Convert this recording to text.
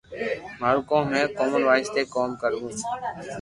ماروڪوم ھي ڪومن وائس تي ڪوم ڪروُ